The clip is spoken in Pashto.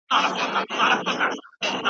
اوږده پاڼه د ډاکټر لخوا ړنګیږي.